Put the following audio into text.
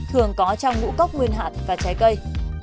thường có trong ngũ cốc nguyên hạn và trái cây